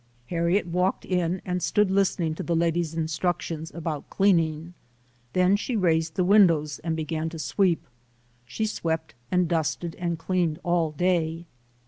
Harriet walked in and stood listening to the lady's instructions about cleaning. Then she raised the windows and began to sweep. She swept and dusted and cleaned all day.